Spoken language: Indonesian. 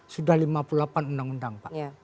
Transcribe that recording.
sudah lima puluh delapan undang undang pak